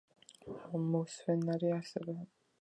მოუსვენარი არსება